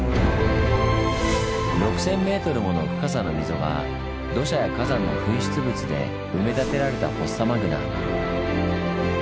６，０００ｍもの深さの溝が土砂や火山の噴出物で埋め立てられたフォッサマグナ。